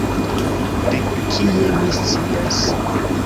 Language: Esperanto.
De kie mi scias?